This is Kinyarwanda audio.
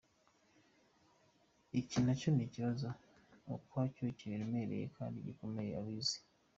Iki nacyo ni ikibazo ukwacyo, kiremereye kandi gikomereye abize.